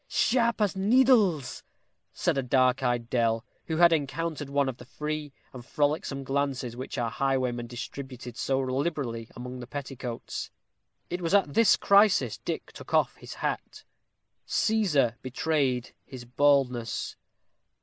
"Sharp as needles," said a dark eyed dell, who had encountered one of the free and frolicsome glances which our highwayman distributed so liberally among the petticoats. It was at this crisis Dick took off his hat. Cæsar betrayed his baldness.